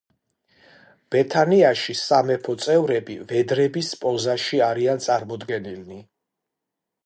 ბეთანიაში სამეფო წევრები ვედრების პოზაში არიან წარმოდგენილნი.